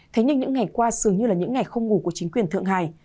thế nhưng những ngày qua dường như là những ngày không ngủ của chính quyền thượng hải